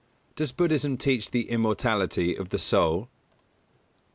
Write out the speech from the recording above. Does Buddhism teach the immortality of the soul?